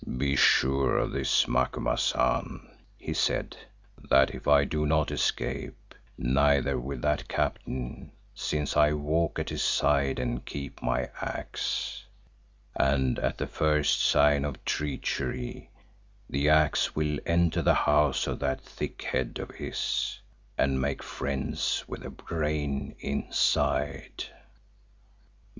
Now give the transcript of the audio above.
"Be sure of this, Macumazahn," he said, "that if I do not escape, neither will that captain, since I walk at his side and keep my axe, and at the first sign of treachery the axe will enter the house of that thick head of his and make friends with the brain inside.